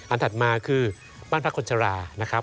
ถัดมาคือบ้านพักคนชรานะครับ